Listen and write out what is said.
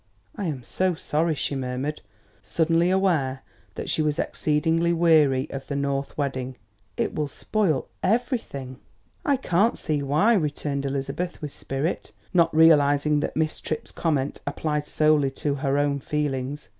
"I am so sorry," she murmured, suddenly aware that she was exceedingly weary of the North wedding. "It will spoil everything." "I can't see why," returned Elizabeth with spirit, not realising that Miss Tripp's comment applied solely to her own feelings.